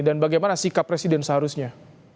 dan bagaimana sikap presiden seharusnya